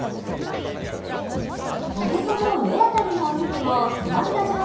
おへその上あたりのお肉をつまんだ状態で